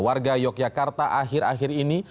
warga yogyakarta akhir akhir ini